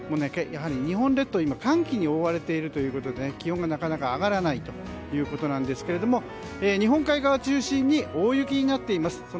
やはり日本列島は寒気に覆われているということで気温が、なかなか上がらないということですが日本海側中心に大雪になっています。